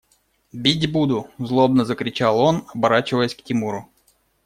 – Бить буду! – злобно закричал он, оборачиваясь к Тимуру.